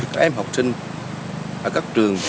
các em học sinh ở các trường